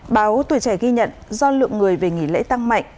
báo tuổi trẻ ghi nhận do lượng người về nghỉ lễ tăng mạnh